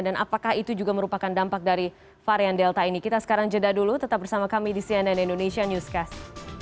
dan apakah itu juga merupakan dampak dari varian delta ini kita sekarang jeda dulu tetap bersama kami di cnn indonesia newscast